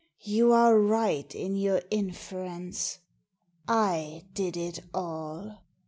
You are right in your inference. I did it all.